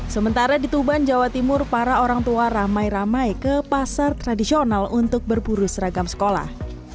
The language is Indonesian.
sementara di tuban jawa timur para orang tua ramai ramai ke pasar tradisional untuk berburu seragam sekolah